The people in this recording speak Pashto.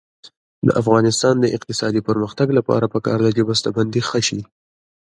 د افغانستان د اقتصادي پرمختګ لپاره پکار ده چې بسته بندي ښه شي.